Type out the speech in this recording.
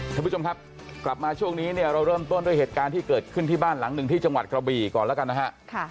ท่านผู้ชมครับกลับมาช่วงนี้เนี่ยเราเริ่มต้นด้วยเหตุการณ์ที่เกิดขึ้นที่บ้านหลังหนึ่งที่จังหวัดกระบี่ก่อนแล้วกันนะฮะ